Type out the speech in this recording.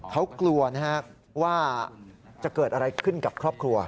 เขากลัวนะฮะว่าจะเกิดอะไรขึ้นกับครอบครัว